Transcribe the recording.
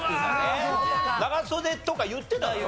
長袖とか言ってただろ？